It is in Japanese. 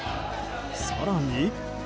更に。